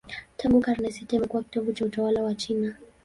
Tangu karne sita imekuwa kitovu cha utawala wa China.